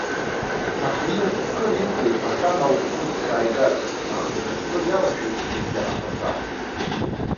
Таҳир кыр иқәра ифахьан ауп ԥҳәыс дшааигаз, аха иразҟы иалашәеит ҩыџьа аԥацәа.